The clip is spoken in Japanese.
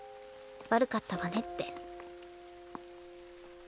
悪かったわねって。